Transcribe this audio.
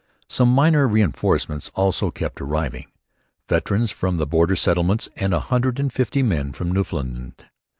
Some minor reinforcements also kept arriving: veterans from the border settlements and a hundred and fifty men from Newfoundland.